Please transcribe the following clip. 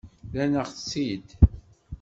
Rran-aɣ-tt-id.